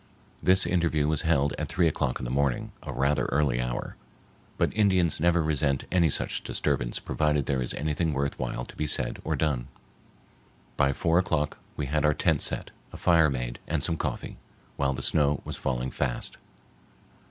This interview was held at three o'clock in the morning, a rather early hour. But Indians never resent any such disturbance provided there is anything worth while to be said or done. By four o'clock we had our tents set, a fire made and some coffee, while the snow was falling fast.